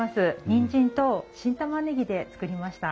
にんじんと新玉ねぎで作りました。